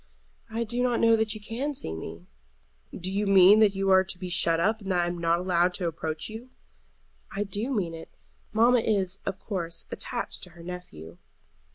"I do not know that you can see me." "Do you mean that you are to be shut up, and that I am not to be allowed to approach you?" "I do mean it. Mamma is, of course, attached to her nephew."